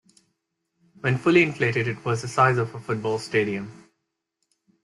When fully inflated it was the size of a football stadium.